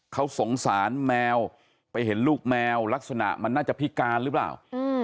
เขาสงสารแมวไปเห็นลูกแมวลักษณะมันน่าจะพิการหรือเปล่า